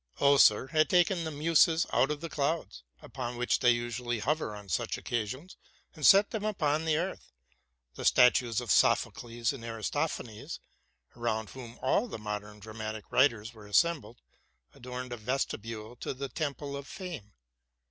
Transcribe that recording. Oeser had taken the Muses out of the clouds, upon which they usually hover on such occasions, and set them upon the earth. The statues of Sophocles and Aristophanes, around whom all the modern dramatic writers were assembled, adorned a vestibule to the Temple of Fame.